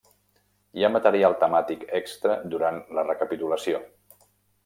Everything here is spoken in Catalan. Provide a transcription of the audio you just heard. Hi ha material temàtic extra durant la recapitulació.